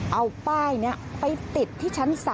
เอาป้ายนี้ไปติดที่ชั้น๓